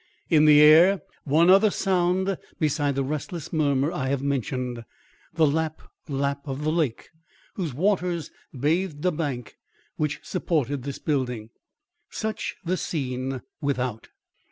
In the air, one other sound beside the restless murmur I have mentioned, the lap, lap of the lake whose waters bathed the bank which supported this building. Such the scene without.